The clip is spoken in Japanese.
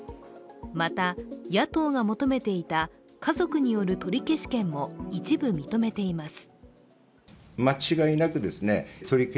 また、野党が求めていた家族による取り消し権も一部認めています。